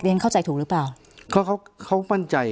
เรียนเข้าใจถูกหรือเปล่า